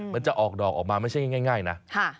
มันจะออกดอกออกมาไม่ใช่ง่ายนะ